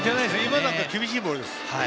今のは厳しいボールです。